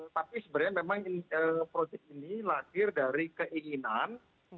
tapi sebenarnya memang proyek ini lahir dari keinginan